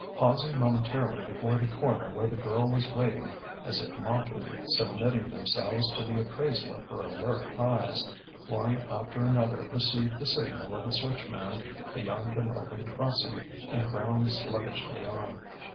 Pausing momentarily before the corner where the girl was waiting (as if mockingly submitting themselves to the appraisal of her alert eyes) one after another received the signal of the switchman beyond the northern crossing and ground sluggishly on.